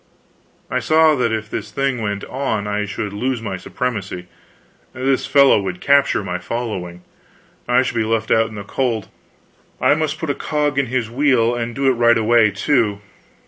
I saw that if this thing went on I should lose my supremacy, this fellow would capture my following, I should be left out in the cold. I must put a cog in his wheel, and do it right away, too.